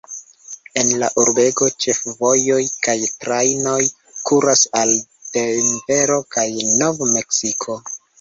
El la urbego ĉefvojoj kaj trajnoj kuras al Denvero kaj Nov-Meksiko.